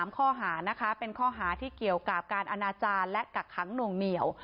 ข้อหานะคะเป็นข้อหาที่เกี่ยวกับการอนาจารย์และกักขังหน่วงเหนียว